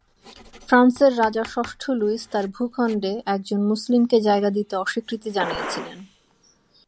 ফ্রান্সের রাজা ষষ্ঠ লুইস তার ভূখন্ডে একজন মুসলিমকে জায়গা দিতে অস্বীকৃতি জানিয়েছিলেন।